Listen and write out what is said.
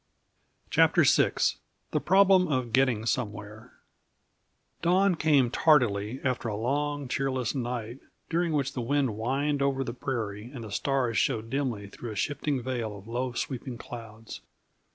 CHAPTER VI The Problem of Getting Somewhere Dawn came tardily after a long, cheerless night, during which the wind whined over the prairie and the stars showed dimly through a shifting veil of low sweeping clouds.